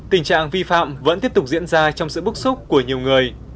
tình trạng vi phạm vẫn tiếp tục diễn ra trong sự bức xúc của nhiều người